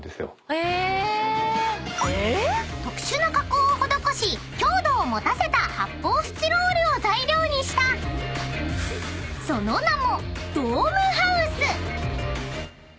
［特殊な加工を施し強度を持たせた発泡スチロールを材料にしたその名も］